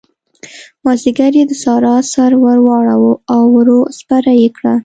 مازديګر يې د سارا سر ور واړاوو او ور سپره يې کړه.